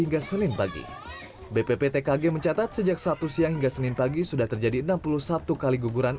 hingga senin pagi bpptkg mencatat sejak sabtu siang hingga senin pagi sudah terjadi enam puluh satu kali guguran